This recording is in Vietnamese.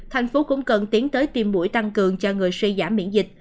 thành phố cũng cần tiến tới tiêm mũi tăng cường cho người suy giảm miễn dịch